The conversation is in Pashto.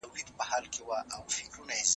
افغان روڼاندي: زاړه او نوي